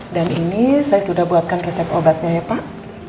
dan ini saya sudah buatkan resep obatnya ya pak